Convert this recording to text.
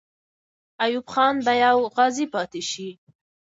ایوب خان به یو غازی پاتې سي.